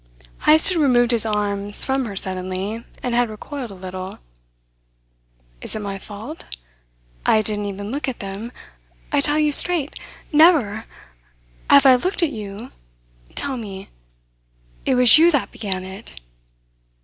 Heyst had removed his arms from her suddenly, and had recoiled a little. "Is it my fault? I didn't even look at them, I tell you straight. Never! Have I looked at you? Tell me. It was you that began it."